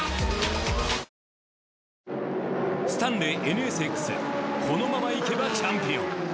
ＮＳＸこのままいけばチャンピオン。